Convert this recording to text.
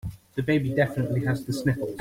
The baby definitely has the sniffles.